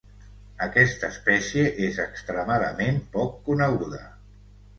Aquesta espècie és extremadament poc coneguda.